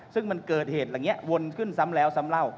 ซึ่งมันเกิดเหตุอย่างนี้วนขึ้นซ้ำแล้วซ้ำเล่า